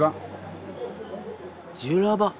ジュラバ。